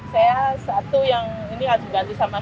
saya satu yang ini harus ganti sebulan